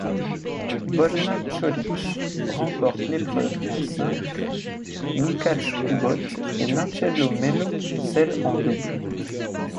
Borna Ćorić remporte l'épreuve en simple, Łukasz Kubot et Marcelo Melo celle en double.